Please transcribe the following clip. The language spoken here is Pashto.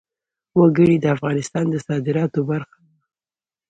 وګړي د افغانستان د صادراتو برخه ده.